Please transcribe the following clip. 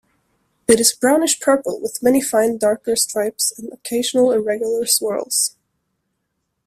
It is brownish-purple with many fine darker stripes and occasional irregular swirls.